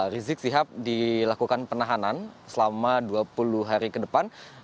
rizik sihab dilakukan penahanan selama dua puluh hari ke depan